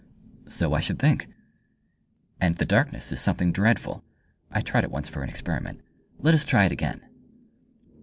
"So I should think." "And the darkness is something dreadful. I tried it once for an experiment. Let us try it again!"